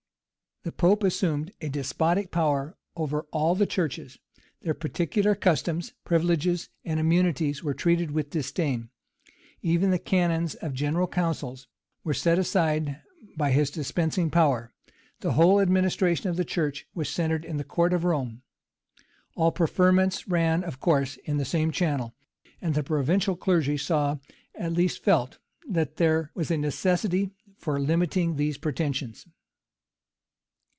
The pope assumed a despotic power over all the churches; their particular customs, privileges, and immunities were treated with disdain; even the canons of general councils were set aside by his dispensing power; the whole administration of the church was centred in the court of Rome; all preferments ran, of course, in the same channel; and the provincial clergy saw, at least felt, that there was a necessity for limiting these pretensions.